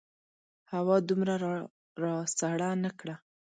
هوا دومره راسړه نه کړه.